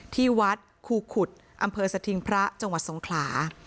ที่วัดคู่ขุดอำเภอสะทิงพระจสงครา